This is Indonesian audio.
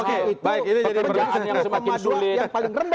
pekerjaan yang semakin sulit